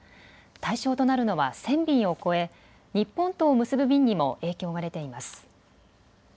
対象となるのは１０００便を超え日本とを結ぶ便にも影響が出ています。